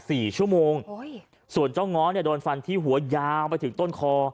สี่ชั่วโมงโอ้ยส่วนเจ้าง้อเนี่ยโดนฟันที่หัวยาวไปถึงต้นคอ